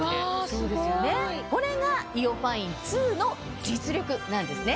そうですよねこれがＩＯファイン２の実力なんですね。